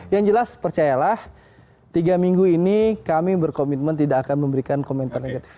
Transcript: yang jelas percayalah tiga minggu ini kami berkomitmen tidak akan memberikan komentar negatif